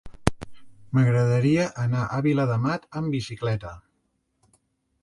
M'agradaria anar a Viladamat amb bicicleta.